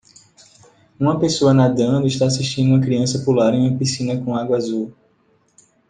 Uma pessoa nadando está assistindo uma criança pular em uma piscina com água azul.